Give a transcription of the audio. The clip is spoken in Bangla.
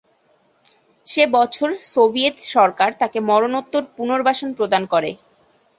সে বছর সোভিয়েত সরকার তাকে মরণোত্তর পুনর্বাসন প্রদান করে।